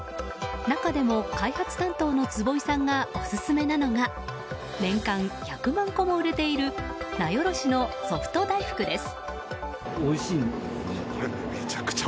中でも、開発担当の坪井さんがオススメなのが年間１００万個も売れている名寄市のソフト大福です。